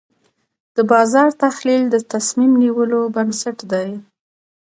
د بازار تحلیل د تصمیم نیولو بنسټ دی.